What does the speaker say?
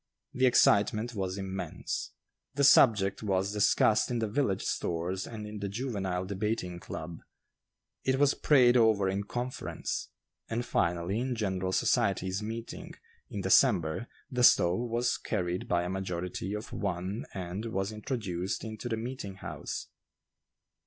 The excitement was immense. The subject was discussed in the village stores and in the juvenile debating club; it was prayed over in conference; and finally in general "society's meeting," in December, the stove was carried by a majority of one and was introduced into the meeting house.